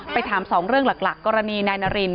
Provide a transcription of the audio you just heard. ถามสองเรื่องหลักกรณีนายนาริน